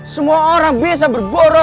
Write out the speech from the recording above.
semua orang bisa berburu